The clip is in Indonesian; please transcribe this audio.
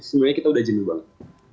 sebenarnya kita sudah jenur banget